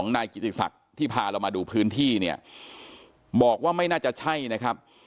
นายกิติศักดิ์ที่พาเรามาดูพื้นที่เนี่ยบอกว่าไม่น่าจะใช่นะครับ